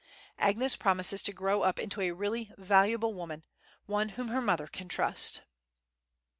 Agnes promises to grow up into a really valuable woman, one whom her mother can trust."